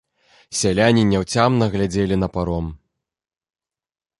Сяляне няўцямна глядзелі на паром.